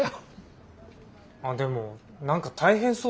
あっでも何か大変そうすよ。